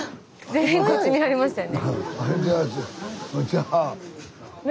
全員こっち見はりましたよね。